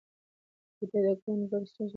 ده د کروندګرو ستونزې له نږدې ليدلې.